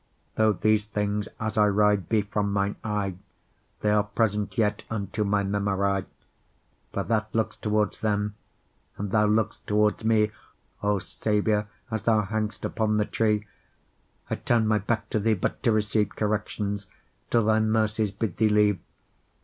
Though these things, as I ride, be from mine eye, They'are present yet unto my memory, For that looks towards them; and thou look'st towards mee,O Saviour, as thou hang'st upon the tree;I turne my backe to thee, but to receiveCorrections, till thy mercies bid thee leave.